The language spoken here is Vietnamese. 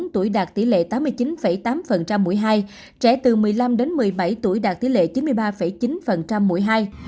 bốn mươi tuổi đạt tỷ lệ tám mươi chín tám mũi hai trẻ từ một mươi năm đến một mươi bảy tuổi đạt tỷ lệ chín mươi ba chín mũi hai